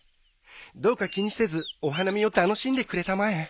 どうか気にせずお花見を楽しんでくれたまえ。